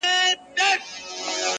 ماته د پېغلي کور معلوم دی٫